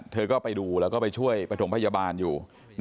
เธอก็ไปดูแล้วก็ไปช่วยประถมพยาบาลอยู่